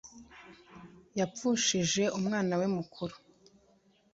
Yapfushije umwna we mukuru